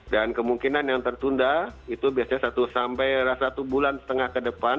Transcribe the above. dan kemungkinan yang tertunda itu biasanya satu sampai satu bulan setengah ke depan